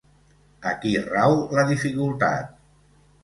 Aquí rau la dificultat